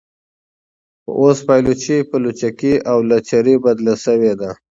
خو اوس پایلوچي په لچکۍ او لچرۍ بدله شوې ده.